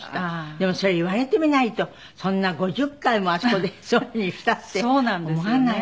でもそれ言われてみないとそんな５０回もあそこでそういうふうにしたって思わないもんね。